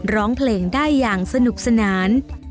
ร้องเพลงได้อย่างสนุกสนาน